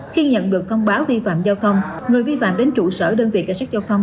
khi nhận được thông báo vi phạm giao thông người vi phạm đến trụ sở đơn vị cảnh sát giao thông